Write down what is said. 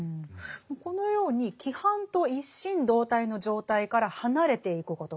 このように「規範と一心同体の状態から離れていくこと」